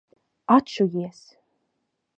Atšujies!